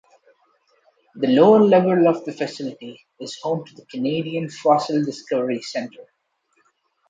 The lower lever of the facility is home to the Canadian Fossil Discovery Centre.